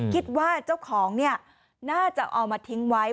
คิดว่าเจ้าของเนี่ยน่าจะเอามาทิ้งไว้